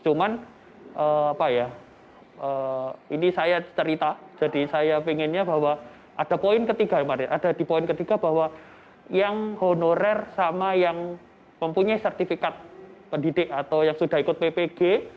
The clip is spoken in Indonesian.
cuman ini saya cerita jadi saya pengennya bahwa ada di poin ketiga bahwa yang honorer sama yang mempunyai sertifikat pendidik atau yang sudah ikut ppg